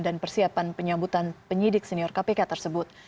dan persiapan penyambutan penyidik senior kpk tersebut